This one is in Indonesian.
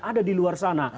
ada di luar sana